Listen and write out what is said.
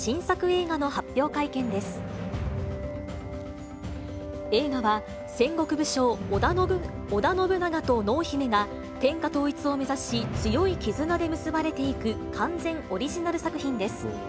映画は、戦国武将、織田信長と濃姫が、天下統一を目指し、強い絆で結ばれていく、完全オリジナル作品です。